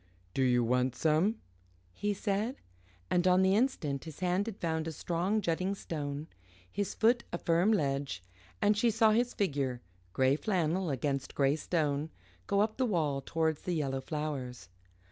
"Do you want some?" he said, and on the instant his hand had found a strong jutting stone, his foot a firm ledge and she saw his figure, grey flannel against grey stone, go up the wall towards the yellow flowers.